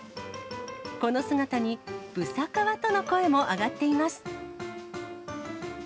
この姿に、ブサカワとの声も上がっています。